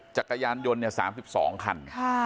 จักรยานยนต์๓๒คัน